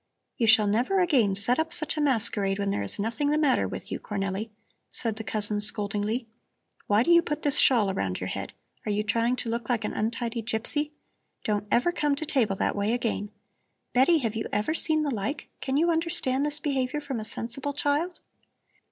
"You shall never again set up such a masquerade when there is nothing the matter with you, Cornelli," said the cousin scoldingly. "Why do you put this shawl around your head? Are you trying to look like an untidy gypsy? Don't ever come to table that way again! Betty, have you ever seen the like? Can you understand this behavior from a sensible child?"